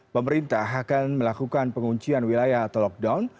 pemerintah akan melakukan penguncian wilayah atau lockdown